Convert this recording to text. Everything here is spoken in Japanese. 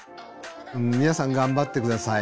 皆さん頑張って下さい。